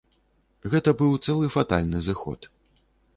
Гэта быў цэлы фатальны зыход.